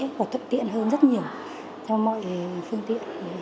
của thực tiện hơn rất nhiều trong mọi phương tiện